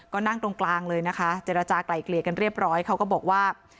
ก็นั่งตรงกลางเลยนะคะเจรจากลายเกลี่ยกันเรียบร้อยเขาก็บอกว่า